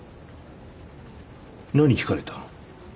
何聞かれた？